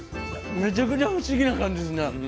めちゃくちゃ不思議な感じですね。